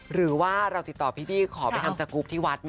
หรือว่าเราติดต่อพี่บี้ขอไปทำสกรูปที่วัด